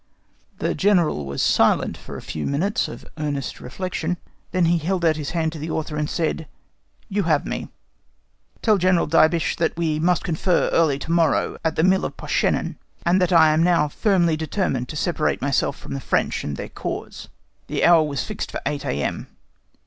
The General was silent for a few minutes of earnest reflection; then he held out his hand to the Author, and said, "You have me. Tell General Diebitsch that we must confer early to morrow at the mill of Poschenen, and that I am now firmly determined to separate myself from the French and their cause." The hour was fixed for 8 A.M.